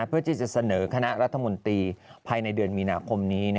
เพื่อที่จะเสนอคณะรัฐมนตรีภายในเดือนมีนาคมนี้